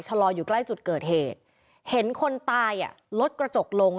ลอยอยู่ใกล้จุดเกิดเหตุเห็นคนตายอ่ะลดกระจกลง